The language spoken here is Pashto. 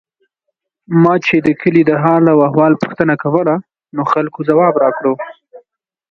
ما چې د کلي د حال او احوال پوښتنه کوله، نو خلکو ځواب راکړو.